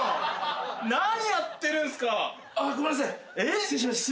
何やってるんすか！？